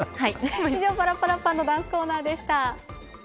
以上、パラッパラッパーのダンスコーナーでした。